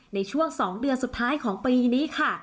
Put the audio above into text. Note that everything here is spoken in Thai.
ในช่วง๒เดือนสุดท้ายของปีนี้ค่ะ